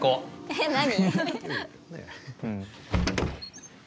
えっ何？